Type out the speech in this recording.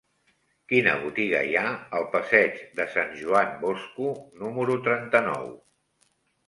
Quina botiga hi ha al passeig de Sant Joan Bosco número trenta-nou?